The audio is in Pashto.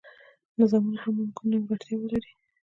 نظامونه هم ممکن نیمګړتیاوې ولري.